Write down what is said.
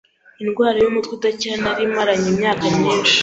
indwara y’umutwe udakira nari maranye imyaka myinshi